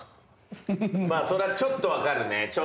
まあそりゃちょっと分かるね。